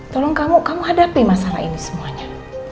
tolong kamu kamu hadapi masalah ini semuanya